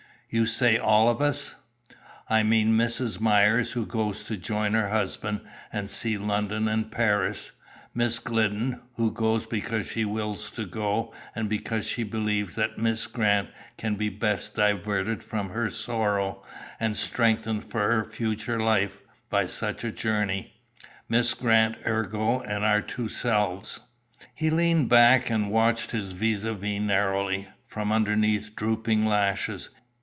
"You say all of us?" "I mean Mrs. Myers, who goes to join her husband and see London and Paris; Miss Glidden, who goes because she wills to go and because she believes that Miss Grant can be best diverted from her sorrow, and strengthened for her future life, by such a journey, Miss Grant, ergo, and our two selves." He leaned back and watched his vis à vis narrowly from underneath drooping lashes.